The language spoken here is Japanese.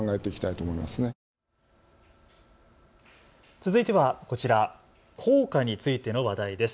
続いてはこちら、校歌についての話題です。